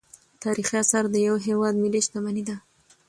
تاریخي اثار د یو هیواد ملي شتمني ده.